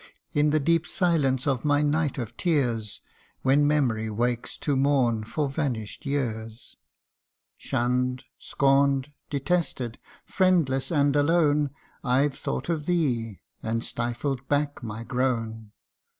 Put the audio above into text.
In the deep silence of my night of tears, When Memory wakes to mourn for vanish'd years ; Shunn'd scorn'd detested friendless and alone, I've thought of thee and stifled back my groan